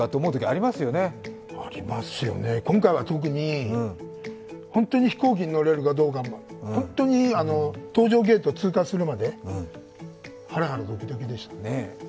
ありますよね、今回は特に、本当に飛行機に乗れるかどうか本当に搭乗ゲートを通過するまでハラハラドキドキでした。